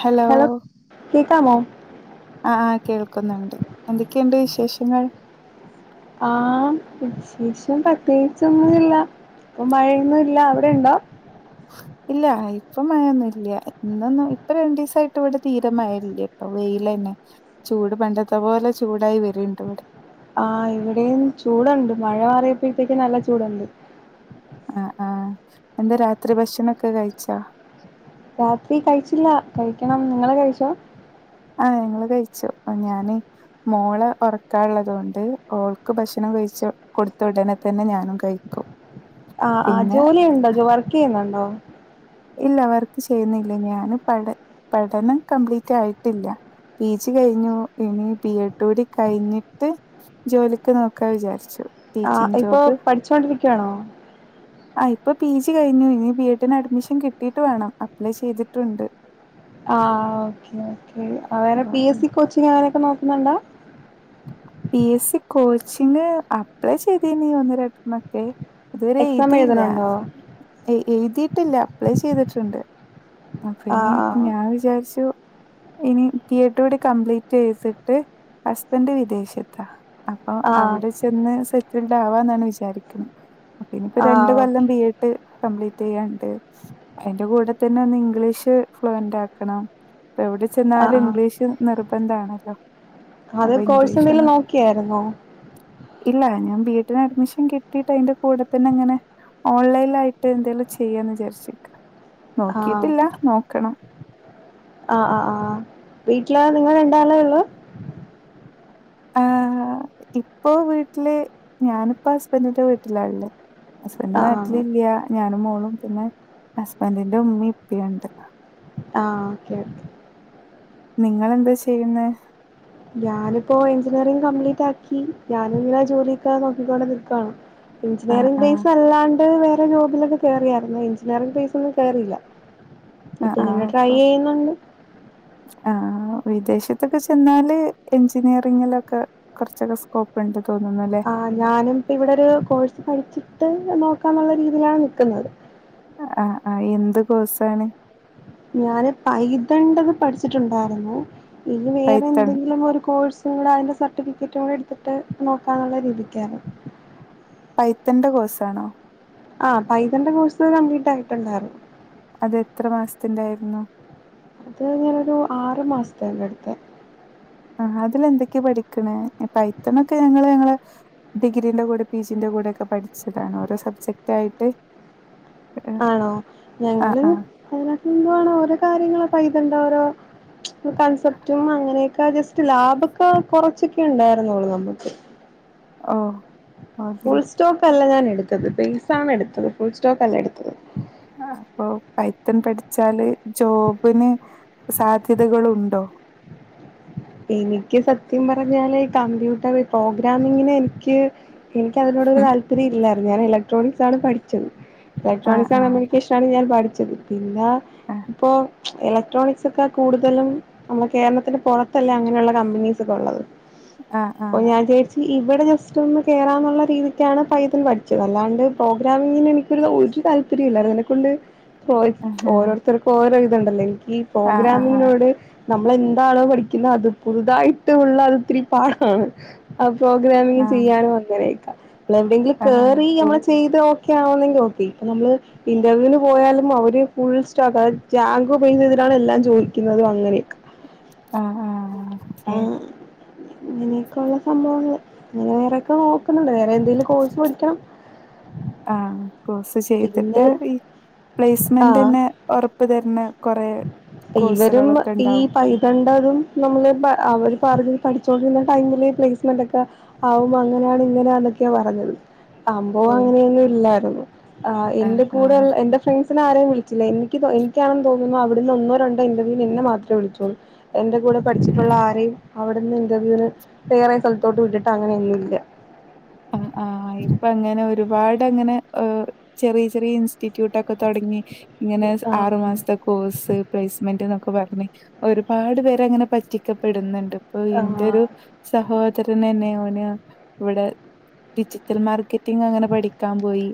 Hello കേക്കാമോ ആഹ് ആഹ് കേൾക്കുന്നുണ്ട്. എന്തൊക്കെണ്ട് വിശേഷങ്ങൾ? ആഹ് വിശേഷം പ്രത്യേകിച്ചൊന്നും ഇല്ല. ഇപ്പം മഴയൊന്നും ഇല്ല. അവിടെ ഇണ്ടോ? ഇല്ല ഇപ്പൊ മഴൊന്നും ഇല്ല. ഇന്നൊന്നും ഇപ്പൊ രണ്ടീസായിട്ട് ഇവിടെ തീരെ മഴ ഇല്ല്യട്ടോ. വെയിലെന്നെ ചൂട് പണ്ടത്തെ പോലെ ചൂടായി വര്ണ്ട് ഇവടെ ആഹ് ഇവിടെയും ചൂടണ്ട് മഴ മാറിയപ്പോഴ്ത്തേക്കും നല്ല ചൂടുണ്ട്. ആഹ് ആഹ്. എന്താ രാത്രി ഭക്ഷണം ഒക്കെ കഴിച്ചോ? രാത്രി കഴിച്ചില്ല. കഴിക്കണം. നിങ്ങള് കഴിച്ചോ? ആഹ് ഞങ്ങള് കഴിച്ചു. ഞാന് മോളെ ഒറക്കാള്ളത് കൊണ്ട് ഓൾക്ക് ഭക്ഷണം കഴിച്ചു കൊടുത്ത ഉടനെ തന്നെ ഞാനും കഴിക്കും. ആഹ് ആഹ്. പിന്നെ ജോലി ഉണ്ടോ, വർക്കെയ്യുന്നുണ്ടോ? ഇല്ല വർക്ക് ചെയ്യുന്നില്ല ഞാന് പഠ പഠനം കംപ്ലീറ്റ് ആയിട്ടില്ല. പി ജി കഴിഞ്ഞു ഇനി ബി എഡൂ ടി കഴിഞ്ഞിട്ട് ജോലിക്ക് നോക്കാ വിചാരിച്ചു ആഹ് ഇപ്പൊ പഠിച്ചോണ്ടിരിക്കുവാണോ? ആഹ് ഇപ്പൊ പി ജി കഴിഞ്ഞു ഇനി ബി എഡിന് അഡ്മിഷൻ കിട്ടിട്ട് വാണം. അപ്ലൈ ചെയ്തിട്ടുണ്ട്. ആഹ് ഓക്കേ ഓക്കേ. വേറെ പി എസ് സി കോച്ചിങ് അങ്ങനെയൊക്കെ നോക്കുന്നുണ്ടോ? P S C coaching apply ചെയ്തീനീ ഒന്ന് രണ്ടർണൊക്കെ ഇതുവരെ എക്സാം എയ്തീല്ല എഴുതണുണ്ടോ എയ് എയ്തിട്ടില്ല അപ്ലൈ ചെയ്തിട്ടുണ്ട് അപ്പ ഇനി ആഹ് ഞാൻ വിചാരിച്ചു ഇനി ബി എഡൂടി കംപ്ലീറ്റെയ്തിട്ട് ഹസ്ബന്റ് വിദേശ ത്താ. അപ്പം ആഹ് ആഹ് അവിടെ ചെന്ന് സെറ്റിൽടാവാന്നാണ് വിചാരിക്ണ്. അപ്പം ഇനിപ്പം രണ്ട് ആഹ് ഓക്കെ കൊല്ലം ബി എഡ് കംപ്ലീറ്റെയ്യാണ്ട്. അയ്ന്റെ കൂടെ തന്നെ ഒന്ന് ഇംഗ്ലീഷ് ഫ്ലുവന്റ് ആക്കണം. പ്പ എവിടിം ചെന്നാലും ആഹ് ആഹ് ഇംഗ്ലീഷ് നിർബന്ധാണല്ലോ അത് അപ്പൊ ഇംഗ്ലീഷ് കോഴ്സെന്തെങ്കിലും ഒന്ന് നോക്കി ആയിരുന്നോ? ഇല്ല ഞാൻ ബി എഡിന് അഡ്മിഷൻ കിട്ടിട്ട് അയ്ന്റെ കൂടെ തന്നെങ്ങനെ ഓൺലൈലായിട്ട് എന്തെലും ചെയ്യാന്ന് വിചാര്ച്ച്ക്കാ ആഹ് നോക്കിട്ടില്ല നോക്കണം ആഹ് ആഹ് ആഹ് വീട്ടില് നിങ്ങള് രണ്ടാളെ ഒള്ളൂ ആഹ് ഇപ്പൊ വീട്ടില് ഞാനിപ്പോ ഹസ്ബന്റിന്റെ വീട്ടിലാ ഇള്ളെ ഹസ്ബന്റ് ആഹ് ആഹ് നാട്ടിലില്ല, ഞാനും, മോളും, പിന്നെ ഹസ്ബന്റിന്റെ ഉമ്മീം, ഉപ്പിണ്ട് ആഹ് ഓക്കെ ഓക്കെ നിങ്ങളെന്താ ചെയ്യുന്നെ? ഞാനിപ്പോ എഞ്ചിനീയറിംങ് കംപ്ലീറ്റ് ആക്കി ഞാനിങ്ങനെ ജോലിക് നോക്കിക്കൊണ്ട് നിക്കാണ് ആഹ് എഞ്ചിനീയറിംഗ് ആഹ് പീസ് അല്ലാണ്ട് വേറെ ജോബിലൊക്കെ കേറിയായിരുന്നു എഞ്ചിനീയറിംഗ് പീസ് ഒന്നും കേറിയില്ല ആഹ് അപ്പൊ ആഹ് ഇങ്ങനെ ട്രൈ അപ്പൊ ചെയ്യുന്നുണ്ട് അഹ് ആഹ് വിദേശത്തൊക്കെ ചെന്നാല് എഞ്ചിനീയറിങ്ങിലൊക്കെ കൊർച്ചൊക്കെ സ്കോപ്പ്ണ്ട് തോന്ന് ണ്ലെ ആഹ് ഞാനും പ്പ ഇവിടെ ഒരു കോഴ്സ് പഠിച്ചിട്ട് നോക്കാന്നുള്ള രീതിയിലാണ് നിക്കുന്നത് ആഹ് ആഹ് ആഹ് എന്ത് കോഴ്സാണ്? ഞാന് പൈതണ്ടത് പഠിച്ചിട്ടുണ്ടായിരുന്നു ഇനി പൈത്തൺ വേറെന്തെങ്കിലും ഒരു കോഴ്സ് [unintelligible] അതിൻ്റെ സർട്ടിഫിക്കറ്റും കൂടെ എടുത്തിട്ട് നോക്കാന്നുള്ള രീതിക്കായിരു പൈത്തിന്റെ കോഴ്സാണ് ആഹ് പൈതന്റെ കോഴ്സ് കംപ്ലീറ്റ് ആയിട്ടുണ്ടായിരുന്നു അത് എത്ര മാസത്തിന്റെ ആയിരുന്നു അത് ഇങ്ങനൊരു ആറ് മാസത്തിൻ്റെ അട്ത്ത് ആഹ് അതിലെന്തൊക്കെ പഠിക്ണേ പൈത്ണൊക്കെ ഞങ്ങള് ഞങ്ങള് ഡിഗ്രിന്റെ കൂടെ, പിജിന്റെ കൂടെ, ഒക്കെ പഠിച്ചതാണ് ഓരോ സബ്ജക്റ്റ് ആയിട്ട് ഏഹ് ആണോ ആഹ് ഞങ്ങള് ആഹ് അതിനൊക്കെ എന്തുവാണോ ഓരോ കാര്യങ്ങള് പയ്തണ്ട് ഓരോ കൺസെപ്റ്റും അങ്ങനെക്കെ ജസ്റ്റ് ലാഭക്കെ കൊറച്ചൊക്കെ ഉണ്ടായിരുന്നുള്ളു നമ്മക്ക് ഓഹ് ഫുൾ അതെയോ സ്റ്റോക്ക് അല്ല ഞാൻ എട്ത്തത് ബൈസാണ് എട്ത്തത് ഫുൾ സ്റ്റോക്ക് അല്ല എട്ത്തത് അപ്പൊ പൈത്തൻ പഠിച്ചാല് ജോബ്ന് സാധ്യതകളുണ്ടോ? എനിക്ക് സത്യം പറഞ്ഞാല് കമ്പ്യൂട്ടർ പ്രോഗ്രാമിങ്ങിന് എനിക്ക് എനിക്ക് അതിനോടൊരു താല്പര്യം ഇല്ലായിരുന്നു ഞാൻ ഇലക്ട്രോണിക്സാണ് പഠിച്ചത് ആഹ് ഇലക്ട്രോണിക്സാണ് ആഹ് നമ്മള് ഷാണ് ഞാൻ പഠിച്ചത് പിന്നാ ആഹ് പ്പൊ ഇലക്ട്രോണിക്സ് ഒക്കെ കൂടുതലും നമ്മളെ കേരളത്തിന്റെ പോറത്തല്ലേ അങ്ങനെള്ളെ കമ്പനീസ് ഒക്കെ ഉള്ളത് ആഹ് ആഹ് [unintelligible] ഇവിടെ ജസ്റ്റ് ഒന്ന് കയറാന്നുള്ള രീതിക്കാണ് പയ്ത്തൽ പഠിച്ചത് അല്ലാണ്ട് പ്രോഗ്രാമിങ്ങിന് എനിക്കൊരു ഒരു താൽ പര്യ ഇല്ലായിരുന്നു അയ്നെക്കൊണ്ട് ഓര് ആഹ് ഓരോര്ത്തർക്കും ഓരോ ഇതുണ്ടല്ലോ എനിക്ക് ഈ ആഹ് ആഹ് ആഹ് പ്രോഗ്രാമിങ്ങിനോട് നമ്മളെന്താണോ പഠി ക്ക്ന്ന അത് പുതുതായിട്ട് ഉള്ളത്തിരി പാടാണ് ആഹ് പ്രോഗ്രാമിങ് ആഹ് ചെയ്യാനും അങ്ങനെയെക്കെ പ്ലെബിങ്ങില് ആഹ് കേറി നമ്മള് ചെയ്തൊ ക്കെ ആവുന്നെങ്കി ഓക്കെ നമ്മള് ഇന്റർവ്യൂന് പോയാലും അവര് ഫുൾ സ്റ്റകാരിച്ച ജാങ്കു പൈസെയ്തിട്ടാണ് എല്ലാം ചോയ്ക്കുന്നത് അങ്ങനെക്കെ ആഹ് ആഹ് ഓക്കെ ആഹ് ഇങ്ങനെയൊക്കെ ഉള്ള സംഭവങ്ങള് ഇങ്ങനെ വേറെക്കെ നോക്കുന്നുണ്ട് വേറെ എന്തെലും കോഴ്സ് പഠിക്കണം ആഹ് കോഴ്സ് പിന്നെ ചെയ്തിട്ട് ഈ ആഹ് പ്ലേസ്മെന്റെന്നെ ഉർപ്പ് തര്നെ കൊറെ കോഴ്സുകളൊക്കെണ്ടാവും രണ്ടതും നമ്മൾ പ അവര് പർഞ്ഞ പഠിചൊണ്ടിര്ന്ന ടൈമില് പ്ലേസ്മെന്റോക്കെ ആവുബോ അങ്ങനെണ് ഇങ്ങനെന്നക്കെ പർഞ്ഞത് അഭവം ഓഹ് അങ്ങനെന്നും ഇല്ലായ്ര്ന്നു ആഹ് എന്റെ കൂടെള്ളെ എന്റെ ഫ്രണ്ട്സിന് ആരേം വിളിച്ചില്ല എനിക്ക്തൊ എനിക്കാണെന്ന് തോന്നുന്നു അവിടുന്ന് ഒന്നോ രണ്ടോ ഇന്റർവ്യൂന് എന്നെ മാത്രേ വിളിച്ചോള്ളു എന്റെ കൂടെ പഠിച്ചിട്ടുള്ള ആരെയിം അവിടുന്ന് ഇന്റർവ്യൂന് വേറെ സ്ഥലത്തോട്ട് വിട്ടിട്ട് അങ്ങനെന്നും ഇല്ല ഉം ആഹ് ഇപ്പൊ അങ്ങനെ ഒരുപാടങ്ങനെ ഏഹ് ചെറിയ ചെറിയ ഇൻസ്റ്റിറ്റ്യൂട്ടൊ- ക്കെ തൊടങ്ങി, ഇങ്ങനെ ആഹ് ആറുമാസത്തെ കോഴ്സ്, പ്ലേസ്മെന്റ് ന്നൊക്കെ പറഞ്ഞ് ഒരുപാട് പേരങ്ങനെ പറ്റിക്കപ്പെട്ന്ന്ണ്ട്. അപ്പൊ ആഹ് ഇന്റൊരു സഹോദരനന്നെ ഓന് ഇവടെ ഡിജിറ്റൽ മാർക്കറ്റിംഗങ്ങനെ പഠിക്കാൻ പോയി.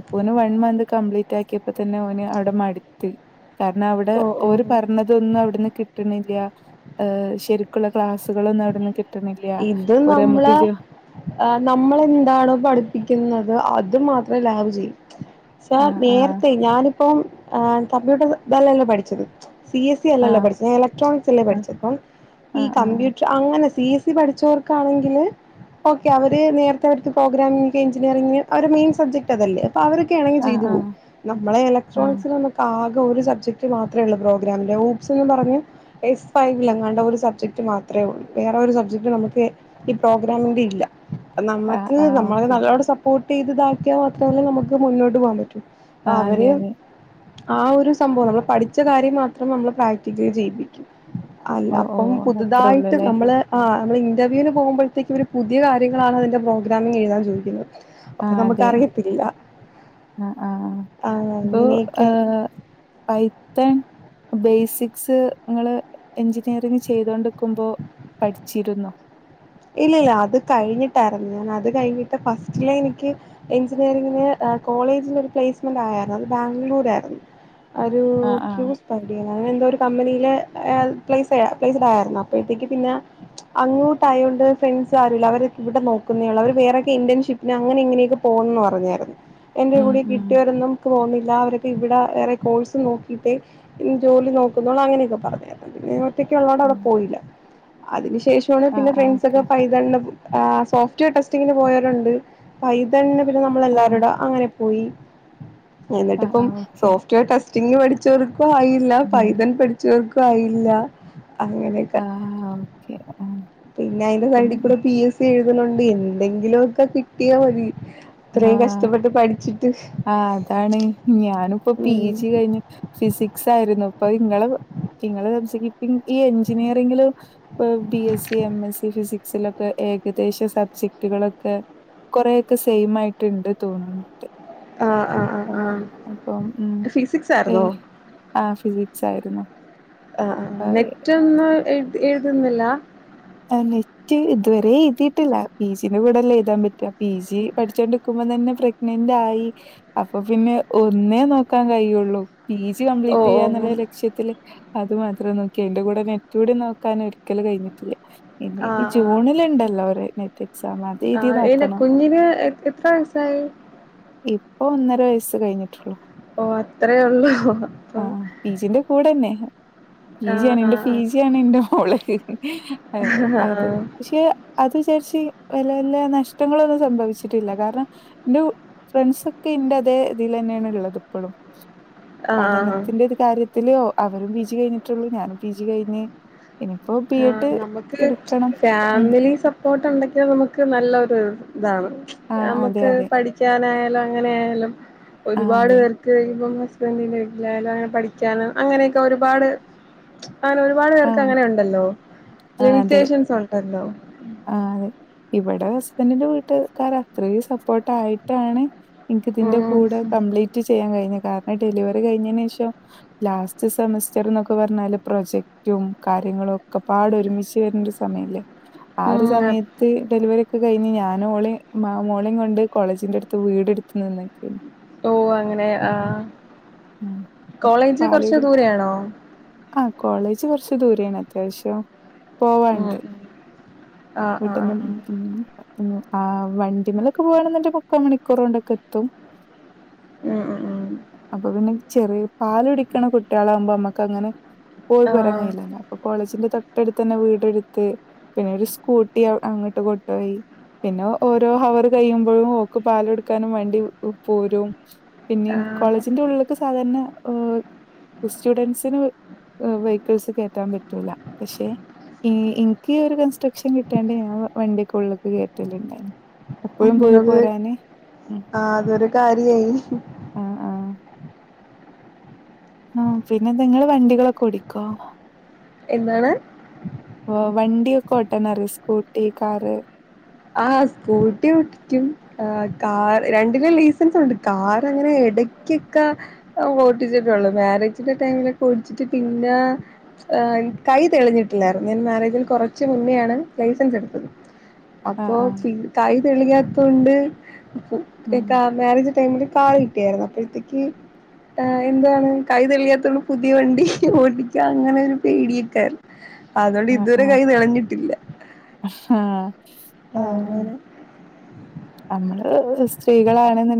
ഇപ്പോന് വൺ മന്ത് കംപ്ലീറ്റാക്കിയപ്പതന്നെ ഓന് അവ്ടെ മട്ത്ത്. കാരണവടെ ഓ ഓ ഓര് പർഞ തൊന്നും അവിട്ന്ന് കിട്ട്ണില്യ, ഏഹ് ശരിക്കുള്ള ക്ലാസ്സുകളൊന്നും അവിട്ന്ന്കി ട്ട്ണില്ല്യാ. ഒരമ്മക്ക് ജൊ ആ നമ്മളെന്താണോ പഠിപ്പിക്കുന്നത് അത് മാത്രേ ലാബ് ചെയ്യും സാർ ആഹ് ആഹ് നേരത്തെ ഞാനിപ്പം ഏഹ് കമ്പ്യൂട്ടർ തല്ലല്ലോ പഠിച്ചത്. സി എസ് സി അല്ലല്ലോ ആഹ് പഠിച്ചത്. ഞാൻ എലക്ട്രോണിക്സല്ലേ പഠിച്ചെ, അപ്പം ഈ ആഹ് ആഹ് കമ്പ്യൂട്ടർ അങ്ങനെ സി [unintelligible] പഠിച്ചോർക്കാണെങ്കില് ഓക്കെ അവര് നേർത്തെ [unintelligible] പ്രോഗ്രാമിങ്, എഞ്ചിനീയറിംങ് അവരെ മെയിൻ സബ്ജക്ട് അതല്ലേ. പ്പ അവരൊക്കെയാണെങ്കി, ആഹ് ചെയ്തു പോവും. ആഹ് നമ്മളെ ആഹ് ആഹ് ഇലക്ട്രോണിക്സിലൊന്നും ക്കാകെ ഒരു സബ്ജക്റ്റ് മാത്രെ ഒള്ളു പ്രോഗ്രമിൻ്റെ ഊബ്സ്ന്ന് പറഞ്ഞ് എസ് ഫൈവിലെങ്ങാണ്ടോ ഒരു സബ്ജക്ട് മാത്രേ ഉള്ളു. വേറൊരു സബ് [unintelligible] ഈ പ്രോഗ്രാമിന്റെ ഇല്ല. ആഹ് നമ്മക്ക് ആഹ് നമ്മള് ഓക്കെ നല്ലോണ സ വോട്ടെയ്ത് താക്കിയാ മാത്രല്ലെ നമ്മക്ക് മുന്നോട്ട് പോവാൻ പറ്റൂ. അ ആഹ് അതെ അവര് അതെ ആ ഒരു സംഭവം, നമ്മള് പഠിച്ച കാര്യം മാത്രം നമ്മള് പ്രാക്ടിക്കലി ചെയ്യിപ്പി അല്ല ഓ ഓ അപ്പം അത്രേ ഉള്ളൂ പുതുതായിട്ട് അല്ലേ നമ്മള് ആഹ് നമ്മള് ഇന്റർവ്യൂന് പോവുമ്പഴത്തേക്കും ഇവര് പുതിയ കാര്യങ്ങളാണ് അതിന്റെ പ്രോഗ്രാമിന് എഴുതാൻ ചോയ്ക്ക്ന്നത്. ആഹ് അതെ, അ ആഹ് ആ ഇപ്പോ അങ്ങനെയൊക്കെയായിരുന്നു ഏഹ് പൈത്തൺ ബേസിക്സ് ങ്ങള് എഞ്ചിനീയറിങ് ചെയ്തോണ്ട്ക്ക് മ്പോ പഠിച്ചിരുന്നോ? ഇല്ലല്ല, അത് കഴിഞ്ഞിട്ടാര്ന്നു. ഞാനത് കഴിഞ്ഞിട്ട് ഫസ്റ്റിലേ എനിക്ക് എഞ്ചിനീയറിങ്ങിന് ഏ കോളേജിൽ ഒരു പ്ലേസ്മെന്റ് ആയാര്ന്നു. അത് ബാംഗ്ലൂരാ യിര്ന്നു. അരൂ ആഹ് ആഹ് [unintelligible] കണ്ടീനു. അങ്ങനെ എന്തോ ഒരു കമ്പനിയിലെ എ പ്ലേസായ പ്ലെയ്സിടായാരുന്നു. അപ്പഴത്തേക്ക് പിന്നെ അങ്ങോട്ടായോണ്ട് ഫ്രണ്ട്സ് ആരൂല്ല. അവര് ഇവിടെ നോക്കുന്നേ ഉള്ളൂ. അവരാ വേറൊക്കെ ഇന്റേൺഷിപ്പിന് അങ്ങനെ ഇങ്ങനെയൊക്കെ പോവുംന്ന് പറഞ്ഞായിരുന്നു. എന്റെ ഉം കൂടി ഉം കിട്ട്യോരൊന്നും പോവ്ന്നില്ലാ, അവരൊക്കെ ഇവിട വേറെ കോഴ്സ് നോക്കിയിട്ടെ ഇനി ജോലിനൊക്കുന്നൊള്ളു അങ്ങനെയൊക്കെ പറഞ്ഞാര്ന്നു. പിന്നെ ഒറ്റക്ക് ള്ളോണ്ട് അവിടെ ഉം പോയില്ല. അതിന് ശേഷവാണ് പിന്നെ ആഹ് ആഹ് ഫ്രണ്ട്സൊക്കെ ഓക്കെ പൈതൽനെ ആഹ് സോഫ്റ്റ് വെയർ ടെസ്റ്റിങ്ങിന് പോയവരുണ്ട്. പൈതൽനെ പിന്നെ ആഹ് നമ്മളെല്ലാരൂടെ അങ്ങനെ പോയി. ആഹ് എന്നിട്ട്പ്പം ആഹ് ഓക്കെ സോഫ്റ്റ്‌വെയർ ടെസ്റ്റിംഗിന് പഠിച്ചവർക്കു ആയീ ല്ലാ. ഉം പൈതൻ പഠിച്ചവർക്കും ആയില്ലാ. അങ്ങനെയൊക്കെ ആഹ് ഓക്കെ ആഹ് പിന്നെ അയ്ൻ്റെ അപ്പം സൈഡിക്കുടെ പി എസ് സി എഴുതുന്നുണ്ട്. എന്തെങ്കിലൊക്കെ കിട്ടിയാ മതി. ഹാ ഇത്രയും കഷ്ടപ്പെട്ട് പഠിച്ചിട്ട് ആഹ് അതാണ്, ഞാനുപ്പോ പീ ഉം ജി കഴിഞ്ഞ് ഫിസിക്സായിരുന്നു. ഇപ്പൊ ഇങ്ങള്, ഇങ്ങള് [unintelligible] ഈ എഞ്ചിനീയറിങ്ങില് ഇപ്പം B S C, M S C, ഫിസിക്സിലൊക്കെ ഏകദേശ സബ്ജക്ടുകളൊക്കെ കൊറേക്കെ സെയ്മായിട്ട് ഇണ്ട് തോന്നുന്നുണ്ട്. ആഹ് അപ്പം ഉം ഫിസിക്സ് ആയിരുന്നോ ഏഹ് ആഹ് ഫിലിക്സായിര്ന്നു. ആഹ് ആഹ് ആഹ് ആഹ്. നെറ്റൊന്ന് എഴ്ത് എഴുതുന്നില്ലാ? അ നെ റ്റ് ഇതുവരെ എയ്തീട്ടില്ല. പീ ജിന്റെ കൂടെല്ലേ എഴുതാൻ പറ്റ. പീ ജി പഠിച്ചോണ്ട്ക്കുമ്പം തന്നെ പ്രഗ്ന നെന്റായീ. അപ്പപ്പിന്നെ ഒന്നേ നോക്കാൻ കയ്യൊള്ളൂ. പീ ജി ഓ ഓ കംപ്ലീറ്റെയ്യാന്നുള്ളര് ക്ഷ്യത്തില്, അത് മാത്രം നോക്കി. അയ്ന്റെ കൂടെ നെറ്റൂടി നോക്കാന് ഒരിക്കലും കയ്ഞ്ഞിട്ടില്ല. ഇനി ഈ ആഹ് ആഹ് ജൂണില്ണ്ടല്ലോ ഒരു നീറ്റ് എക്സാം അ ആഹ് അയിന് കുഞ്ഞിന് എത്ര വയസായി ഇപ്പൊ ഒന്നര വയസ്സ് കഴിഞ്ഞ്ട്ടോള്ളൂ ഓ അത്രേ ഉള്ളൂ അപ്പം ആഹ് പിജിന്റെ കൂടെന്നെ ഈ ആഹ് ജേണിന്റെ ആഹ് പിജിയാണ് ഇൻ്റെ മോള് അത് ആഹ് പക്ഷെ അത് വിചാരിച്ച് വല്ല്യ വല്ല്യ നഷ്ടങ്ങളൊന്നും സംഭവിച്ചിട്ടില്ല കാരണം ഇന്റെ ഫ്രണ്ട്സൊക്കെ ഇൻ്റെ അതേ ഇതിലെന്നെ ഇള്ളത് ഇപ്പളും ആഹ് പഠനത്തിന്റെര് ഈ കാര്യത്തില് അവരും പിജി കഴിഞ്ഞിട്ടോള്ളൂ ഞാനും പിജി കഴിഞ്ഞ് ഇനിപ്പോ ആഹ് നമുക്ക് ഫാമിലി സ സപ്പോർട്ട്ണ്ടെങ്കി നമുക്ക് നല്ലൊരു ഇതാണ് ആ അതെ നമക്ക് അതെ പഠി ക്കാനായാലും അങ്ങനായാലും ആ ഒരുപാട് അതെ പേർ ഭൂരിഭാഗം ഹസ്ബന്റിന് [unintelligible] പഠിക്കാനും അങ്ങനെയൊക്കെ ഒരുപാട് [unintelligible] ഒരുപാട് ആ പേർക്ക് അങ്ങനെണ്ടല്ലോ ലിമിറ്റേഷൻസ് ഉണ്ടല്ലോ ആഹ് അതെ ഇവടെ ഹസ്ബൻഡിന്റെ വീട്ട്ക്കാറ് അത്രേയും സപ്പോർട്ടായിട്ടാണ് ഇൻക്ക് ഇതിന്റെ ഉം കൂടെ കംപ്ലീറ്റ് ചെയ്യാൻ കഴിഞ്ഞ് കാരണം ഡെലിവറി കഴിഞ്ഞേനേഷം ലാസ്റ്റ് സെമസ്റ്റർന്നൊക്കെ പറഞ്ഞാല് പ്രൊജക്റ്റും കാര്യങ്ങളും ഒക്കപാടെ ഒരുമിച്ച് വരണോര് സമയല്ലേ ആ ഒരു ഉം അ- സമയത്ത് ഡെലിവറി ക്കെ കഴിഞ്ഞ് ഞാന് ഓളീം മോളെ കൊണ്ട് കോളേജിന്റെട്ത്ത് വീടെട്ത്ത് നിന്നക്കേനു ഓഹ് അങ്ങനെ ആഹ് ഉം. കോളേജ് കൊറച്ച് ദൂരെ ആണോ ആഹ് കോളേജ് കൊറച്ച് ദൂരെയാണ് അത്യാവശ്യം ഉം പോവാണ്ട് ഉം ആഹ് വീട്ട്ന്ന് ആഹ് ആഹ് ഉം ആ ഹ് വണ്ടിമലൊക്കെ പോവണ്ന്ന്ണ്ടെങ്കി മുക്കാ മണിക്കൂറൊണ്ടൊക്കെ എത്തും ആഹ് ആഹ് അപ്പൊ പിന്നെ ചെറിയ പാല് കുടിക്ക്ണ കുട്ട്യാളാവുമ്പോ നമ്മക്ക് അങ്ങനെ പോയി പോരാൻ ആഹ് കഴിയില്ലല്ലോ അപ്പൊ കോളേജിന്റെ തൊട്ടട്ത്ത് തന്നെ വീട് ഇട്ത്ത് പിന്നെ ഒരു സ്‌ കൂട്ടി അങ്ങട്ട് കൊണ്ടോയി പിന്നെ ഓരോ ഹവർ കഴിയുമ്പോഴും ഓക്ക് പാല് കൊട്ക്കാനു മാണ്ടി പോരും പിന്നെ കോളേജിന്റെ ഉള്ള്ക്ക് സാധാരണ സ്റ്റുഡൻസ്‌ന് വെഹിക്കിൾസ് കേറ്റാൻ പറ്റൂല പക്ഷെ ഇൻക്ക് ഈയൊര് കൺ ൺസ്ട്രക്ഷൻ കിട്ടിയോണ്ട് ഞാൻ വണ്ടിക്കെ ഉള്ള്ക്ക് കേറ്റല്ണ്ടായിനി ഉം അത് ഉം ആഹ് അതൊരു കാര്യായി ആ ആ ആഹ് പിന്നെന്താ ഇങ്ങള് വണ്ടികളൊക്കെ ഓടി ക്കോ എന്താണ് വണ്ടിയൊക്കെ ഓട്ടനറ്യോ സ്കൂട്ടി കാറ് ആഹ് സ്കൂട്ടി ഓട്ട് ക്ക്യും ഏഹ് കാർ രണ്ടിലും ലൈസൻസ് ഉണ്ട് കാറ് അങ്ങനെ എടയ്ക്കൊക്കെ ഓട്ടിച്ചിട്ടോള്ളു മാരേജിന്റെ ടൈമിലൊക്കെ ഓടിച്ചിട്ട് പിന്നെ ഏഹ് കൈ തെളിഞ്ഞിട്ടില്ലാരുന്നു ഞാന് മാരേജിന് കൊറച്ച് മുന്നെയാണ് ലൈസൻസ് ഇട്ത്തത് ആഹ് അപ്പൊ ആഹ് പി കൈ തെളിയാത്തൊണ്ട് ഉം കാ മാരേജ് ടൈമില് കാളി ത്തിയാർന്നു അപ്പഴേത്തേക്ക് എന്താണ് കൈതെളിയാത്തോണ്ട് പുതിയ വണ്ടി ഓടിക്ക അങ്ങനോരു പേടിയൊക്കാര്ന്ന് അതൊണ്ട് ആഹ് ഇതുവരെ ആഹ് കൈ തെളിഞ്ഞിട്ടില്ല. ആഹ് ആഹ് അങ്ങനെ നമ്മള് സ്ത്രീകളാണെന്ന്ണ്ടെ